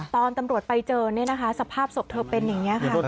ตอนตำรวจไปเจอสภาพศพเธอเป็นอย่างนี้ค่ะ